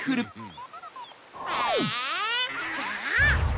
えじゃあ！